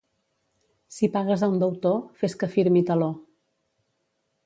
Si pagues a un deutor, fes que firmi taló.